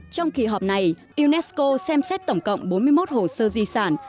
trong kỳ họp này unesco xem xét tổng cộng bốn mươi một hồ sơ di sản